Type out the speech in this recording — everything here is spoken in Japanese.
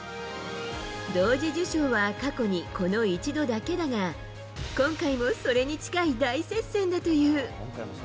同時受賞は過去にこの１度だけだが、今回もそれに近い大接戦だという。